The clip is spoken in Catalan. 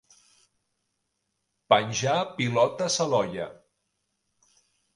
Penjar pilotes a l'olla.